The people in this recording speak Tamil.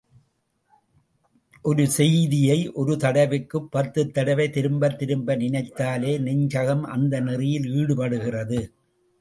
ஒரு செய்தியை ஒரு தடவைக்குப் பத்துத் தடவை திரும்பத் திரும்ப நினைந்தாலே நெஞ்சகம் அந்த நெறியில் ஈடுபடுகிறது.